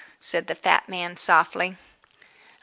said the fat man softly.